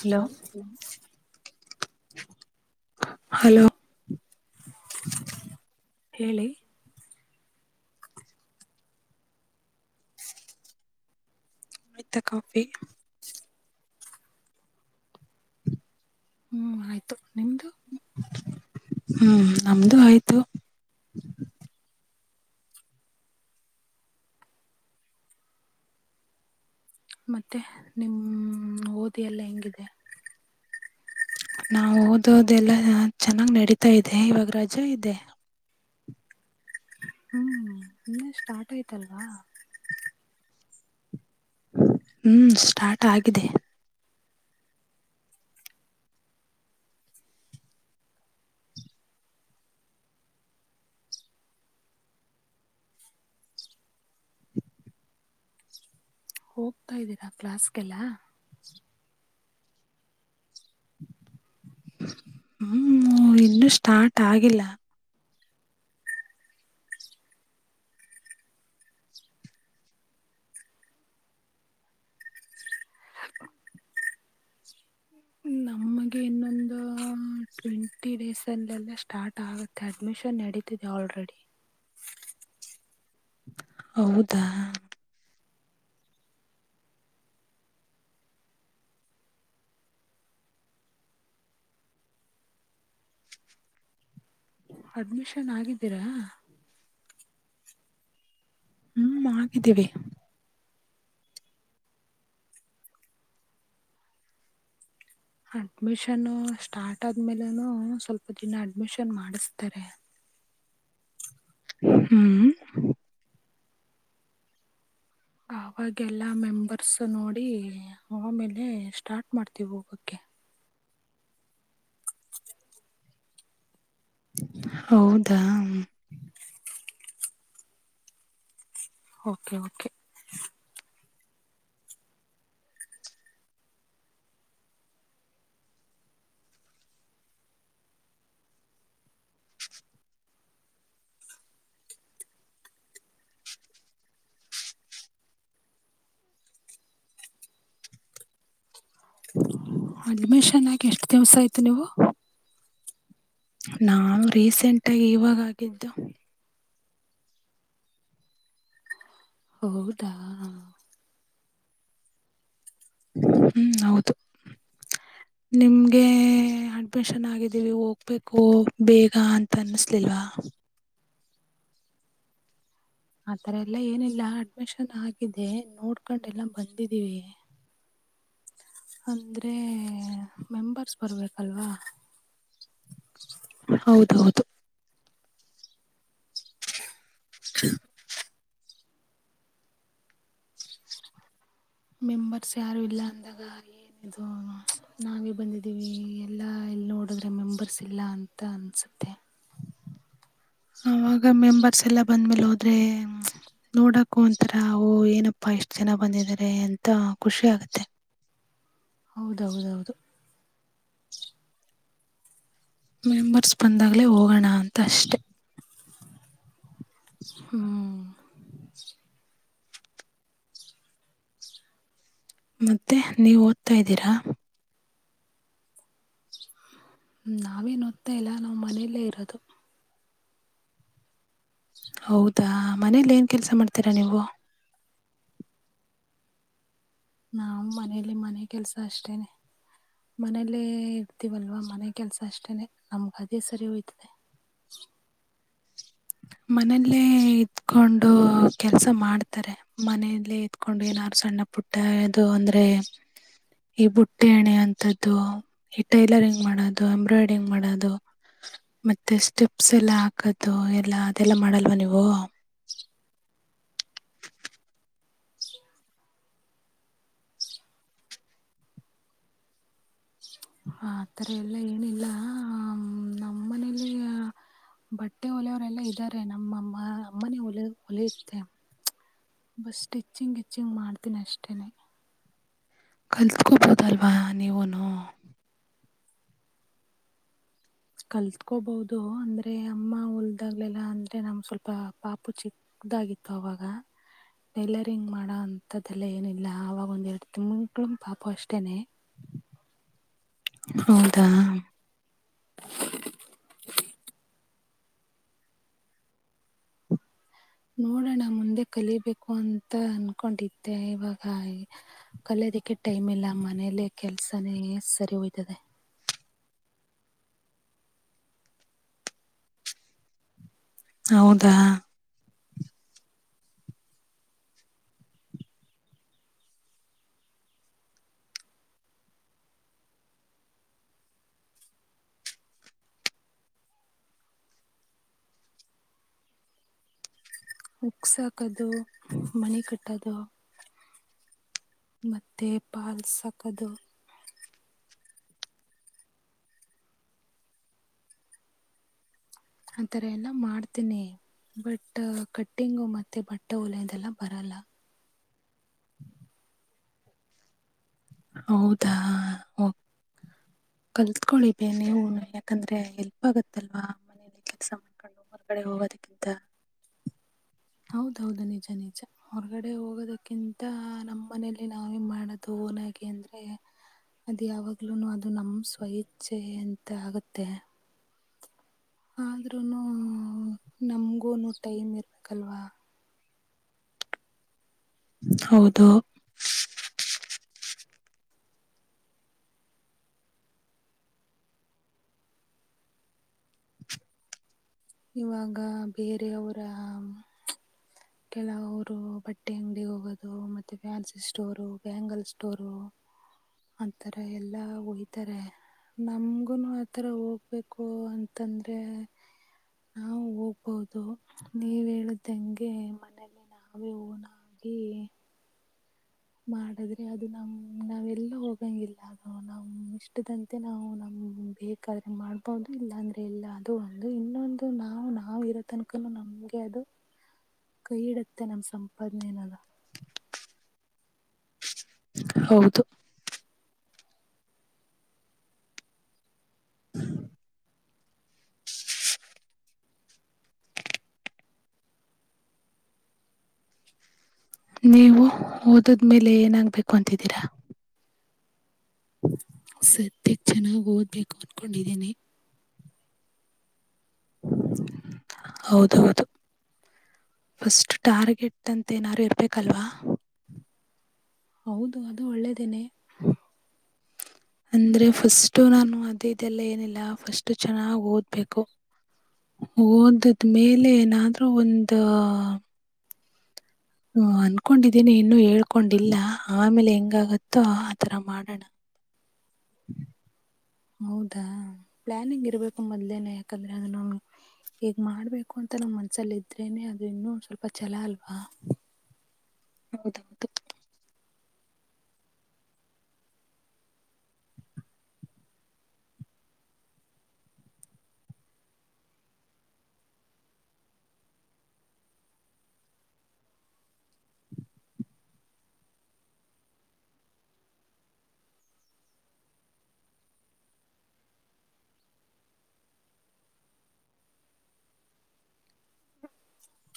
Hello ಯಲ ಹ ಹೂ ಹೇಳಿ ಮಿತ ಕಾಫಿ ಹೂ ಆಯ್ತು ನಿಮ್ದು ಹೂ ನಮ್ದು ಆಯ್ತು ಮತ್ತೆ ನಿಮ್ಮ ಓದಿಯ ಎಲ್ಲ ಹೆಂಗಿದೆ ನಾವು ಓದೋದೆಲ್ಲ ಚೆನ್ನಾಗ್ ನಡೀತಾ ಇದೆ ಇವಾಗ ರಜೆ ಇದೆ ಹೂ ಇನ್ನೇ ಸ್ಟಾರ್ಟ್ ಆಯ್ತಲ್ವಾ ಹೂ ಸ್ಟಾರ್ಟ್ ಆಗಿದೆ ಹೋಗ್ತಾ ಇದ್ದೀರಾ ಕ್ಲಾಸ್ಗೆಲ್ಲ ಹೂ ಹೂ ಇನ್ನೂ ಸ್ಟಾರ್ಟ್ ಆಗಿಲ್ಲ ಹ ನಮಗೆ ಇನ್ನೊಂದು ಟ್ವೆಂಟಿ ಡೇಸ್ ಅಂದ ಸ್ಟಾರ್ಟ್ ಆಗುತ್ತೆ ಅಡ್ಮಿಷನ್ ನಡೀತಿದೆ ಆಲ್ರೆಡಿ ಹೂ ಹೌದಾ ಅಡ್ಮಿಷನ್ ಆಗಿದ್ದೀರಾ ಹ್ಮ್ ಆಗಿದ್ದೀವಿ ಅಡ್ಮಿಷನ್ ಸ್ಟಾರ್ಟ್ ಆದ್ಮೇಲೆ ಸ್ವಲ್ಪ ದಿನ ಅಡ್ಮಿಷನ್ ಮಾಡಿಸತಾರೆ ಹೂ ಅವಾಗ ಎಲ್ಲಾ ಮೆಂಬರ್ಸ್ ನೋಡಿ ಆಮೇಲೆ ಸ್ಟಾರ್ಟ್ ಮಾಡ್ತೀವಿ ಹೋಗಕ್ಕೆ ಹೌದಾ ಓಕೆ ಓಕೆ ಅಡ್ಮಿಷನ್ ಆಗಿ ಎಷ್ಟ್ ದಿವ್ಸ ಆಯ್ತು ನೀವು. ನಾನ್ ರೀಸೆಂಟ್ ಆಗಿ ಇವಾಗಾಗಿದ್ದು. ಹೌದಾ ಹ್ಮ್ ಹೌದು. ನಿಮಗೆ ಅಡ್ಮಿಷನ್ ಆಗಿದ್ದೀವಿ ಹೋಗ್ಬೇಕು ಬೇಗ ಅಂತ ಅನ್ನಿಸಲಿಲ್ವಾ ಹ ಆ ಥರ ಎಲ್ಲ ಏನಿಲ್ಲ ಅಡ್ಮಿಷನ್ ಆಗಿದ್ದ ನೋಡ್ಕೊಂಡೆಲ್ಲ ಬಂದಿದ್ದೀವಿ ಅಂದ್ರೆ ಮೆಂಬರ್ಸ್ ಬರ್ಬೇಕಲ್ವಾ ಹೌದೌದು ಹ ಮೆಂಬರ್ಸ್ ಯಾರು ಇಲ್ಲ ಅಂದಾಗ ಏನದು ನಾವೇ ಬಂದಿದ್ದೀವಿ ಎಲ್ಲ ಎಲ್ಲಿ ನೋಡಿದ್ರೆ ಮೆಂಬರ್ಸ್ ಇಲ್ಲ ಅಂತ ಅನಸುತ್ತೆ ಅವಾಗ ಮೆಂಬತ್ ಸ್ ಎಲ್ಲಾ ಬಂದ್ಮೇಲೆ ಹೋದ್ರೆ ನೋಡಾಕ ಒಂತರ ಅವು ಏನಪ್ಪಾ ಎಷ್ಟ್ ಜನ ಬಂದಿದದ್ದಾರೆ ಎಂತ ಖುಷಿ ಆಗುತ್ತೆ ಹೌದೌದೌದು. ಮೆಂಬರ್ಸ್ ಬಂದಾಗ್ಲೇ ಹೋಗೋಣ ಅಂತ ಅಷ್ಟೆ. ಹ್ಮ್ ಮತ್ತೆ ನೀವ್ ಓದ್ತಾ ಇದ್ದೀರಾ. ಹ್ಮ ನಾವೇ ಓದತಾ ಇಲ್ಲ ನಾವ್ ಮನೆಯಲ್ಲೇ ಇರೋದು. ಹೌದಾ ಮನೇಲಿ ಏನ್ ಕೆಲ್ಸ ಮಾಡ್ತೀರಾ ನೀವು. ನಾವ್ ಮನೇಲಿ ಮನೆ ಕೆಲ್ಸ ಅಷ್ಟೇನೆ. ಮನೇಲ್ಲೇ ಇರ್ತೀವಲ್ವಾ ಮನೆ ಕೆಲಸ ಅಷ್ಟೇನೆ ನಮ್ಗ ಅದೇ ಸರಿ ಹೋಯ್ತದೆ. ಹ [unintelligible] ಮನೇಲ್ಲೇ ಇದಕೊಂಡು ಕೆಲಸ ಮಾಡ್ತಾರೆ ಮನೇಲ್ಲೆ ಇದತ್ಕೊಂಡು ಏನಾರು ಸಣ್ಣ ಪುಟ್ಟ ಇದು ಅಂದ್ರೆ ಈ ಬುಟ್ಟಿ ಎಣೆ ಅಂತದ್ದು ಈ ಟೈಲರಿಂಗ್ ಮಾಡೋದು ಎಂಬ್ರಾಯ್ಡರಿಂಗ್ ಮಾಡೋದು. ಮತ್ತೆ ಸ್ಟೆಪ್ಸ್ ಎಲ್ಲ ಹಾಕದು ಎಲ್ಲ ಅದೆಲ್ಲ ಮಾಡಲ್ವ ನೀವು. ಹ ಆತರ ಎಲ್ಲ ಏನಿಲ್ಲ ಹ ನಮ್ಮ ಮನೇಲಿ. ಬಟ್ಟೆ ಹೊಲೆಯವರೆಲ್ಲ ಇದ್ದಾರೆ ನಮ್ಮಮ್ಮ ಅಮ್ಮನೇಲೆ ಹೊಲಿಯುತ್ತೆ. ಬಸ್ ಸ್ಟಿಚ್ಚಿಂಗ್ ಗಿಚ್ಚಿಂಗ್ ಮಾಡ್ತೀನಿ ಅಷ್ಟೇನೆ. ಕಲ್ತ್ಕೋಬೋದಲ್ವಾ ನೀವುನು. ಕಲ್ತ್ಕೋಬಹುದು ಅಂದ್ರೆ ಅಮ್ಮ ಉಲ್ದಾಗ್ಲೆಲ್ಲ ಅಂದ್ರೆ ನಮ್ ಸ್ವಲ್ಪ ಪಾಪು ಚಿ [unintelligible] ದಾಗಿತ್ತು ಆವಾಗ. ಟೈಲರಿಂಗ್ ಮಾಡೋ ಅಂಂತ್ದಲ್ಲ ಏನಿಲ್ಲ ಆವಾಗ ಒಂದ್ ಎರಡು ತಿಂಗಳ್ ಪಾಪು ಅಷ್ಟೇನೆ. ಹೌದಾ ನೋಡಣಾ ಮುಂದೆ ಕಲಿಬೇಕು ಅಂತ ಅನ್ಕೊಂಡಿದ್ದೆ ಇವಾಗ ಕಲೆ ಇದಕ್ಕೆ ಟೈಮ್ ಇಲ್ಲ ಮನೇಯಲ್ಲಿ ಕೆಲ್ಸನೇ ಸರಿಹೋಯ್ತದೆ. ಹೌದಾ ಉಕ್ಸಾಕದು ಮಣಿ ಕಟ್ಟದು. ಮತ್ತೆ ಪಾಲ್ಸಕದು. ಆತರ ಎಲ್ಲ ಮಾಡ್ತೀನಿ. ಬಟ್ ಕಟ್ಟಿಂಗು ಮತ್ತೆ ಬಟ್ಟೆವ್ಯದೆಲ್ಲ ಬರಲ್ಲ. ಹೌದಾ ಒ ಕಲ್ತ್ಕೊಳಿಬೆ ನೀವುನು ಯಾಕಂದ್ರೆ ಎಲ್ಪ್ ಆಗತ್ತಲ್ವಾ ಮನ ಕೆಲಸ ಮಾಡೊಕ ಹೊರಗಡೆ ಹೋಗೋದಕ್ಕಿಂತ. ಹೌದೌದು ನಿಜ ನಿಜ ಹೊರಗಡೆ ಹೋಗೋದಕ್ಕಿಂತ ನಮ್ಮ್ ಮನೇಲಿ ನಾವೇ ಮಾಡೋದು. [unintelligible] ಗಿ ಅಂದ್ರೆ. ಅದು ಯಾವಾಗ್ಲೂ ಅದು ನಮ ಸ್ವ ಇಚ್ಛೆ ಅಂತ ಆಗುತ್ತೆ. ಆದ್ರೂನು ನಮಗೂಂದ್ ಟೈಮ್ ಇರ್ಬೇಕಲ್ವಾ. ಹೌದು ಇವಾಗ ಬೇರೆಯವರ. ಕೆಲವರು ಬಟ್ಟೆ ಅಂಗಡಿಗೆ ಹೋಗೋದು ಮತ್ತೆ ಫ್ಯಾನ್ಸಿ ಸ್ಟೋರು ಬ್ಯಾಂಗಲ್ ಸ್ಟೋರು. ಆಂಥರ ಎಲ್ಲಾ ಹೊಯತರೆ. ನಮ್ಗುನು ಆಥರ ಹೋಗ್ಬೇಕು ಅಂತಂದ್ರೆ. ನಾವು ಹೋಗ್ಬಹುದು ನೀವ್ ಹೇಳ್ದಂಗೆ. ಮನೇೆಯಲ್ಲಿ ನಾವೇ [unintelligible] ಮಾಡಿದ್ರೆ ಅದು ನಮ ನಾವೆಲ್ಲ ಹೋಗಂಗಿಲ್ಲ ಅದು ನಾವ್ ಇಷ್ಟದಂತೆ ನಾವು ನಮ ಬೇಕಾದ್ರೆ ಮಾಡ್ಬಹುದು ಇಲ್ಲಾಂದ್ರೆ ಇಲ್ಲ ಅದು ಒಂದು ಇನ್ನೊಂದು ನಾವು ನಾವವು ಇರೋ ತನಕ ನಮಗೆ ಅದು ಕೈ ಇಡುತ್ತೆ ನಮ್ಮ ಸಂಪಾದನೆ ನಲ್ಲ ಹೌದು ನೀವು ಓದದ್ಮೇಲೆ ಏನಾಗ್ಬೇಕು ಅಂತ ಸತ್ಯ ಚೆನ್ನಾಗಿ ಓದ್ಬೇಕು ಅನ್ಕೊಂಡಿದ್ದೀನಿ ಹೌದೌದು ಫಸ್ಟ್ ಟಾರ್ಗೆಟ್ ಅಂತ ನಾರು ಇರ್ಬೇಕಲ್ವಾ ಹೌದು ಅದು ಒಳ್ಳೆದೇನೆ ಅಂದ್ರೆ ಫಸ್ಟ್ ನಾನು ಅದೇ ಇದೆಲ್ಲ ಏನಿಲ್ಲ ಫಸ್ಟ್ ಚೆನ್ನಾಗ್ ಓದ್ಬೇಕು ಓದದ್ಮೇಲೆ ಏನಾದ್ರೂ ಒಂದ ಹ್ಮ ಅನ್ಕೊಂಡಿದ್ದೇನಿ ಇನ್ನುೂ ಹೇಳ್ಕೊಂಡಿಲ್ಲ ಆಮೇಲೆ ಹೆಂಗಾಗತ್ತೋ ಆತರ ಮಾಡೋಣ [inaudible] ಹೌದಾ ಪ್ಲಾನಿಂಗ್ ಇರ್ಬೇಕು ಮೊದ್ಲೇನೆ ಯಾಕಂದ್ರೆ ಅದ ನಾವು ಹೇಗ್ ಮಾಡ್ಬೇಕು ಅಂತ ನಮ್ಮ್ ಮನ್ಸಲ್ಲ ಇದ್ರೇನೆ ಅದುರ ಇನ್ನೂ ಸ್ವಲ್ಪ ಛಲ ಅಲ್ವಾ ಹೌದೌದು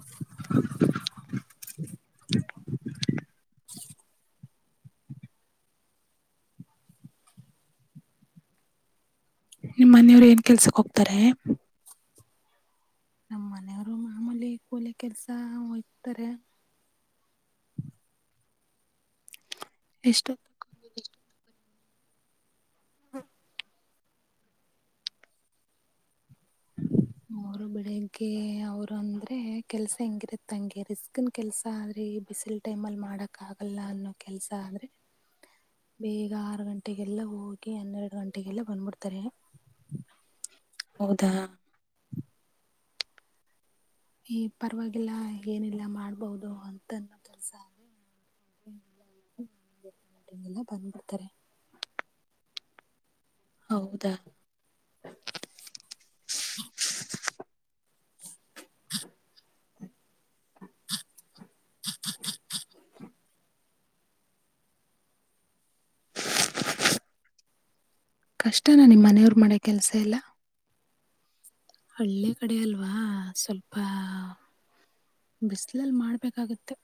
[inaudible] ನಿಮ್ಮನೆಯವ್ರು ಏನ್ ಕೆಲ್ಸಕ್ ಹೋಗ್ತಾರೆ ನೈಟ್ ಪೊಲೀಸ್ ಕೆಲ್ಸ ಓಯ್ತಾರೆ ಎಷ್ಟು ಹ್ಮ ಅವರು ಬೆಳಿಗ್ಗೆ ಅವ್ರು ಅಂದ್ರೆ ಕೆಲ್ಸ ಹೆಂಗಿರತ್ತ ಹಂಗೆ ರಿಸ್ಕ್ನ್ ಕೆಲ್ಸ ಆದ್ರೆ ಬಿಸಿಲು ಟೈಮ ಅಲ್ಲಿ ಮಾಡಕ ಆಗಲ್ಲ ಅನ್ನೋ ಕೆಲ್ಸ ಆದ್ರೆ ಬೇಗ ಆರು ಗಂಟೆಗೆಲ್ಲ ಹೋಗಿ ಹನ್ನೆರಡು ಗಂಟೆಗೆಲ್ಲ ಬಂದ್ಬಿಡ್ತಾರೆ ಹೌದಾ ಈ ಪರವಾಗಿಲ್ಲ ಏನಿಲ್ಲ ಮಾಡ್ಬಹದು ಅಂತಂದು ಕೆಲ್ಸ ಆಿ ಲ್ಲ ಬಂದ್ಬಿಡ್ತಾರೆ ಹೌದಾ [inaudible] [inaudible] ಕಷ್ಟನ ನಿಮ್ಮನೆಯವ್ರ ಮಾಡ್ಯ ಕೆಲ್ಸ ಎಲ್ಲ ಹಳ್ಳೆ ಕಡೆ ಅಲ್ವಾ ಸ್ವಲ್ಪ ಬಿಸಿಲಲ್ ಮಾಡ್ಬೇಕಾಗತ್ತೆ